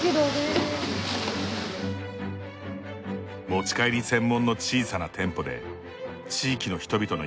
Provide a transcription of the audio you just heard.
持ち帰り専門の小さな店舗で地域の人々の胃袋を満たす。